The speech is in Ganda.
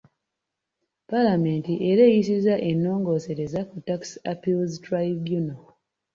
Paalamenti era eyisizza ennongoosereza ku Tax Appeals Tribunal.